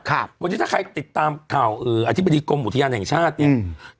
ครับวันนี้ถ้าใครติดตามข่าวเอ่ออธิบดีกรมอุทยานแห่งชาติเนี้ยอืม